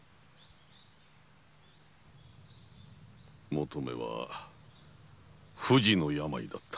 求馬は不治の病だったのだ。